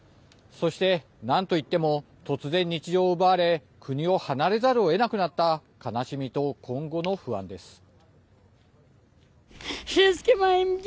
そして、なんといっても突然、日常を奪われ国を離れざるをえなくなった悲しみと今後の不安です。